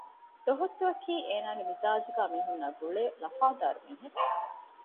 ދޮހުއްތުއަކީ އޭނާގެ މިޒާޖުގައި މީހުންނާއި ގުޅޭ ލަފާދާރު މީހެއް